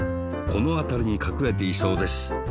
このあたりにかくれていそうです。